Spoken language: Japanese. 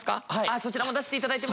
そちらも出していただても。